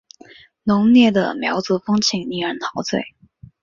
浓烈的苗族风情令人陶醉。